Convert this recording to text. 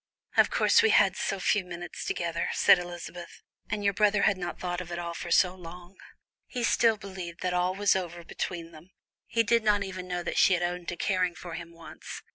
"Of course, we had so few minutes together," said Elizabeth, "and your brother had not thought of it all for so long. He quite believed that all was over between them; he did not even know that she had owned to caring for him once.